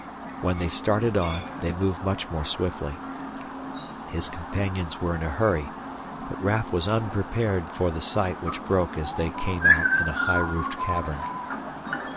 When they started on, they moved much more swiftly. His companions were in a hurry, but Raf was unprepared for the sight which broke as they came out in a high roofed cavern.